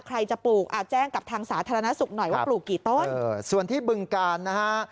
ใครจะปลูกอ่าแจ้งกับทางสาธารณสุขหน่อยว่าปลูกกี่ต้นส่วนที่บึงกาลนะฮะ